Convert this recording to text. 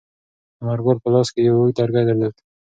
انارګل په لاس کې یو اوږد لرګی درلود.